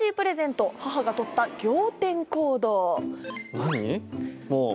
何？